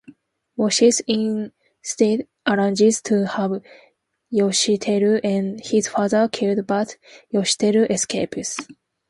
Washizu instead arranges to have Yoshiteru and his father killed, but Yoshiteru escapes.